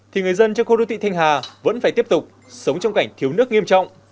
thì người dân trong khu đô thị thanh hà vẫn phải tiếp tục sống trong cảnh thiếu nước nghiêm trọng